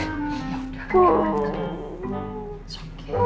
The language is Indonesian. udah begini gak usah lagi bu